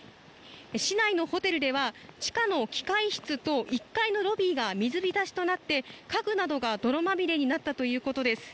市内のホテルでは地下の機械室と１階のロビーが水浸しとなって家具などが、泥まみれになったということです。